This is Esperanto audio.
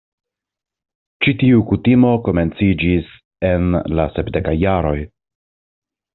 Ĉi-tiu kutimo komenciĝis en la sepdekaj jaroj.